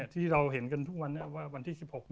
ที่เราเห็นกันทุกวันเนี่ยว่าวันที่๑๖ธันวาคม